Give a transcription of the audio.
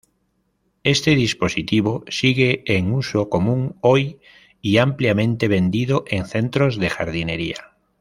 Este dispositivo sigue en uso común hoy y ampliamente vendido en centros de jardinería.